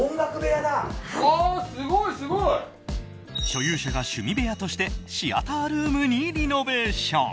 所有者が趣味部屋としてシアタールームにリノベーション。